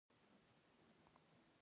ځينو غوښتل د قران حافظې شي